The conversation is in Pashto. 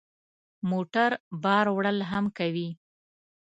موټر بار وړل هم کوي.